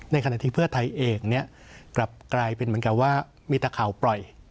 ในขณะที่เพื่อไทยเองกลับกลายเป็นเหมือนกับว่ามีแต่ข่าวปล่อย